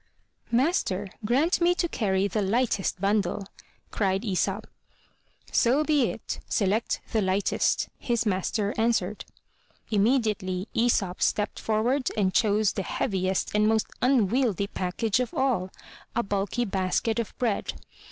"Master, grant me to carry the lightest bundle,'' cried Aesop. "Sobeit! Select the lightest," his master answered. Immediately Aesop stepped forward and chose the heaviest and most unwieldy package of all, a bulky basket of bread.